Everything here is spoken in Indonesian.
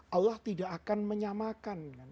allah tidak akan menyamakan